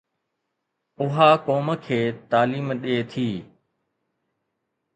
اها قوم کي تعليم ڏئي ٿي.